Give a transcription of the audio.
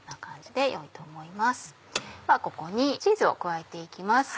ではここにチーズを加えて行きます。